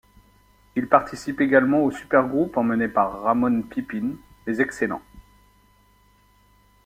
Il participe également au supergroupe emmené par Ramon Pipin, Les Excellents.